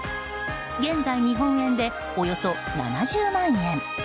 現在、日本円でおよそ７０万円。